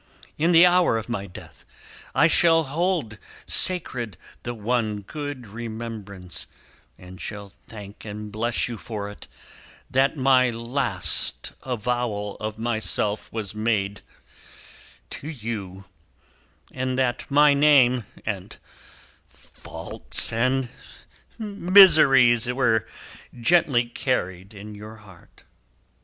In the hour of my death, I shall hold sacred the one good remembrance and shall thank and bless you for it that my last avowal of myself was made to you, and that my name, and faults, and miseries were gently carried in your heart.